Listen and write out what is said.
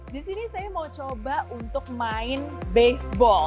di sini saya mau coba untuk main baseball